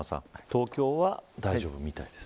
東京は、大丈夫みたいです。